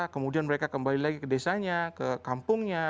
kemudian mereka kembali lagi ke desanya ke kampungnya